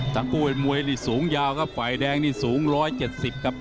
ทั้งคู่เป็นมวยนี่สูงยาวครับฝ่ายแดงนี่สูง๑๗๐ครับ